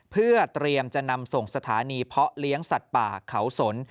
เพื่อเตรียมจะนำส่งสถานีเพาะเลี้ยงสัตว์ป่าเขาสน